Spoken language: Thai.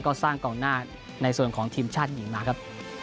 ก็สร้างกองหน้าในส่วนของทีมชาติหญิงมาครับ